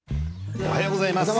おはようございます。